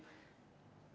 kita cari perusahaan